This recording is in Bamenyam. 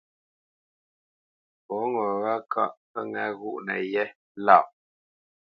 Fɔ ŋo wâ ŋkâʼ pə nâ ghóʼnənə́ lâʼ.